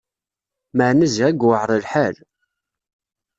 Meɛna ziɣ i yuɛer lḥal!